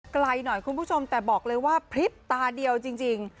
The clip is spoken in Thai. ไกลหน่อยคุณผู้ชมแต่บอกเลยว่าพลิบตาเดียวจริง